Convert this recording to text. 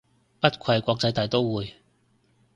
不愧係國際大刀會